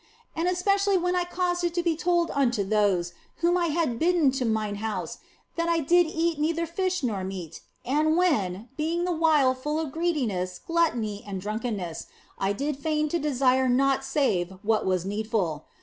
And especially when I caused it to be told unto those whom I had bidden to mine house that I did eat neither fish nor meat, and when being the while full of greediness, gluttony, and drunkenness I did feign to desire naught save what was needful.